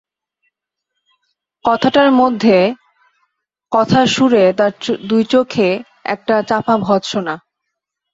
কথাটার মধ্যে, কথার সুরে, তাঁর দুই চোখে, একটা চাপা ভর্ৎসনা।